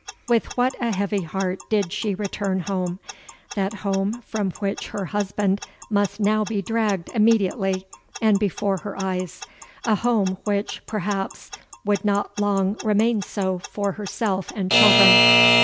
"With what a heavy heart did she return home—that home from which her husband must now be dragged immediately and before her eyes,—a home which, perhaps, would not long remain so for herself and children.